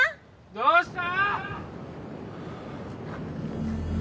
どうした？